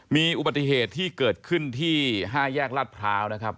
มีอุบัติเหตุที่เกิดขึ้นที่๕แยกลาดพร้าวนะครับ